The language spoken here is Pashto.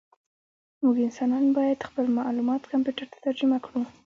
موږ انسانان باید خپل معلومات کمپیوټر ته ترجمه کړو.